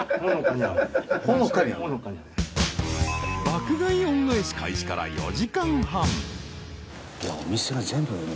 ［爆買い恩返し開始から４時間半］